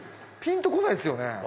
ピンとこないんですよね。